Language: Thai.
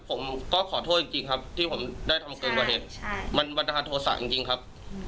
ผมก็ขอโทษจริงครับที่ผมได้ทำเกินกว่าเหตุใช่มันบันดาลโทษะจริงครับ